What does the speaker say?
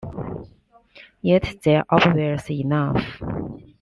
Yet they are obvious enough.